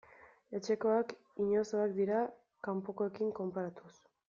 Etxekoak inozoak dira kanpokoekin konparatuz.